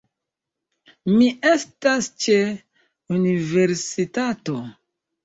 Mi estas ĉe universitato